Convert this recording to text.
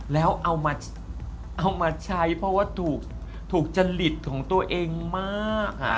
แล้วเอามาใช้เพราะว่าถูกจริตของตัวเองมาก